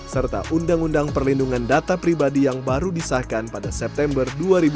serta undang undang perlindungan data pribadi yang baru disahkan pada september dua ribu dua puluh